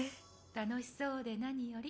楽しそうで何より。